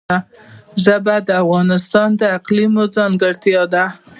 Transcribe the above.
ژبې د افغانستان د اقلیم ځانګړتیا ده.